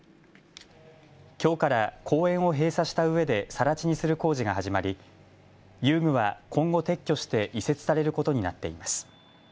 きょうから公園を閉鎖したうえでさら地にする工事が始まり遊具は今後、撤去して移設されることになっています。